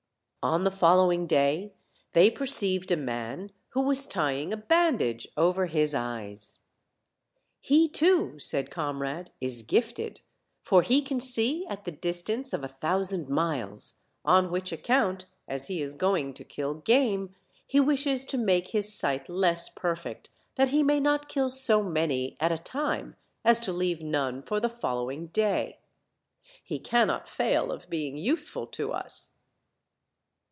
On the following day they perceived a man who was tying a bandage over his eyes. "He, too," said Com rade, "is gifted, for he can see at the distance of a thou sand miles; on which account, as he is going to kill game, he wishes to make his sight less perfect, that he may not kill so many at a time as to leave none for the following day; he cannot fail of being useful to us."